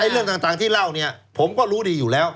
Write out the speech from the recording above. เรื่องต่างที่เล่าเนี่ยผมก็รู้ดีอยู่แล้ว